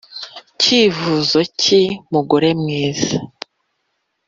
cyifuzo ki mugore mwiza?"